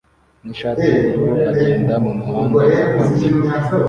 nishati yubururu agenda mumuhanda wa kaburimbo